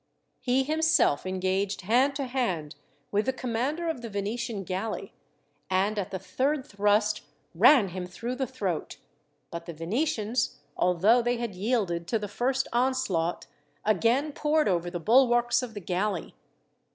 He himself engaged hand to hand with the commander of the Venetian galley, and at the third thrust ran him through the throat; but the Venetians, although they had yielded to the first onslaught, again poured over the bulwarks of the galley.